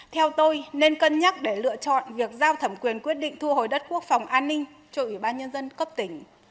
theo tôi nên cân nhắc để lựa chọn việc giao thẩm quyền quyết định thu hồi đất quốc phòng an ninh cho ủy ban nhân dân cấp tỉnh